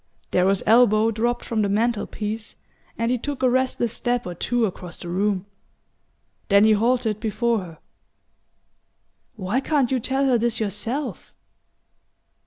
Darrow's elbow dropped from the mantel piece and he took a restless step or two across the room. Then he halted before her. "Why can't you tell her this yourself?"